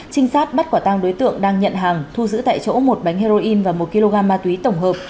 trinh sát bắt quả tang đối tượng đang nhận hàng thu giữ tại chỗ một bánh heroin và một kg ma túy tổng hợp